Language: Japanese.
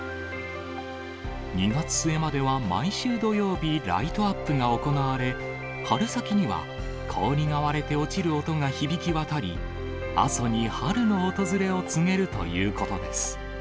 ２月末までは毎週土曜日、ライトアップが行われ、春先には氷が割れて落ちる音が響き渡り、阿蘇に春の訪れを告げるということです。